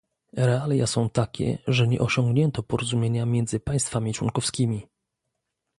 Realia są takie, że nie osiągnięto porozumienia między państwami członkowskimi